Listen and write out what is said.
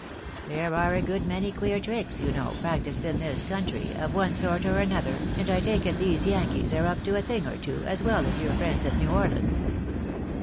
There are a good many queer tricks, you know, practised in this country, of one sort or another, and I take it these Yankees are up to a thing or two, as well as your friends at New Orleans.